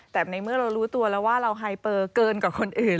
แต่ในเมื่อเรารู้ตัวแล้วว่าเราไฮเปอร์เกินกว่าคนอื่น